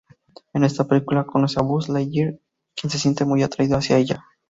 En esta película conoce a Buzz Lightyear, quien se siente muy atraído hacia ella.